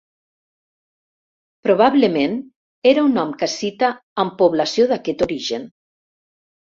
Probablement, era un nom cassita amb població d'aquest origen.